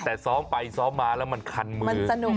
แต่ซ้อมไปซ้อมมาแล้วมันคันมือ